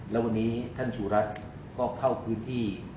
แล้ววันนี้ท่านสุรัตน์ก็เข้าพื้นที่